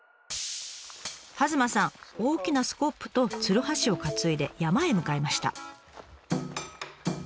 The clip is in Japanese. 弭間さん大きなスコップとつるはしを担いで山へ向かいました。